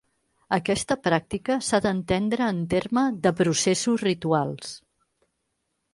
Aquesta pràctica s'ha d'entendre en terme de processos rituals.